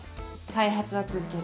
開発は続ける。